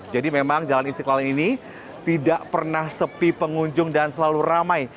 memang jalan istiqlal ini tidak pernah sepi pengunjung dan selalu ramai